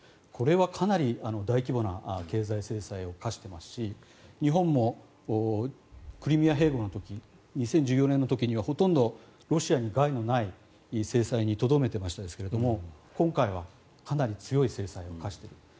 これはかなり大規模な経済制裁を科していますし日本もクリミア併合の時２０１４年の時にはほとんどロシアに害のない制裁にとどめていましたが今回はかなり強い制裁を科している。